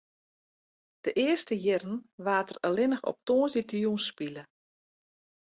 De earste jierren waard der allinne op tongersdeitejûn spile.